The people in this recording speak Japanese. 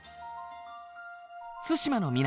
対馬の港